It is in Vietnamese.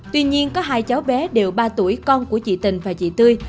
tuy nhiên có hai cháu bé đều ba tuổi con của chị tình và chị tươi